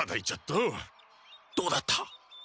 どうだった？